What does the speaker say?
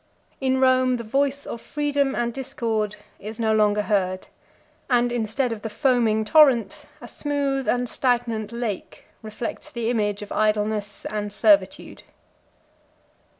In Rome the voice of freedom and discord is no longer heard; and, instead of the foaming torrent, a smooth and stagnant lake reflects the image of idleness and servitude.